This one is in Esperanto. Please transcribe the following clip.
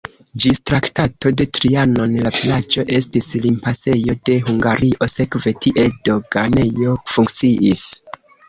Ĝis Traktato de Trianon la vilaĝo estis limpasejo de Hungario, sekve tie doganejo funkciis.